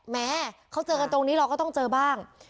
แม้เขาเจอกันตรงนี้เราก็ต้องเจอบ้าง